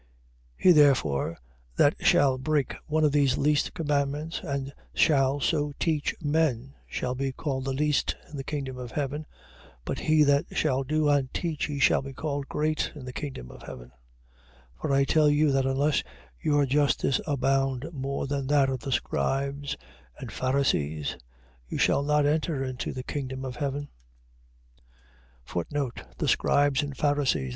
He therefore that shall break one of these least commandments, and shall so teach men shall be called the least in the kingdom of heaven. But he that shall do and teach, he shall be called great in the kingdom of heaven. 5:20. For I tell you, that unless your justice abound more than that of the scribes and Pharisees, you shall not enter into the kingdom of heaven. The scribes and Pharisees.